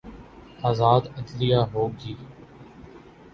آزاد عدلیہ ہو گی۔